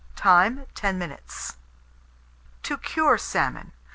Time. 10 minutes. TO CURE SALMON.